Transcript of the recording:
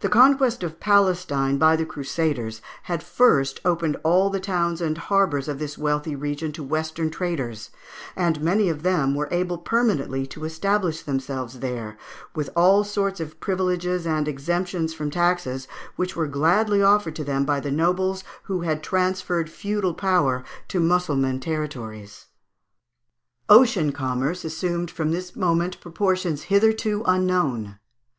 The conquest of Palestine by the Crusaders had first opened all the towns and harbours of this wealthy region to Western traders, and many of them were able permanently to establish themselves there, with all sorts of privileges and exemptions from taxes, which were gladly offered to them by the nobles who had transferred feudal power to Mussulman territories. Ocean commerce assumed from this moment proportions hitherto unknown.